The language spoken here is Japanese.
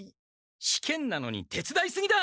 試験なのにてつだいすぎだ！